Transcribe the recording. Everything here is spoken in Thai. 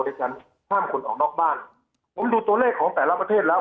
การห้ามคนออกนอกบ้านผมดูตัวเลขของแต่ละประเทศแล้ว